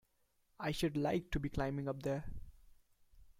I should like to be climbing up there!